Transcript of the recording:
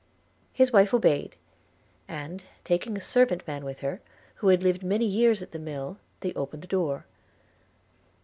His wife obeyed – and, taking a servant man with her, who had lived many years at the mill, they opened the door.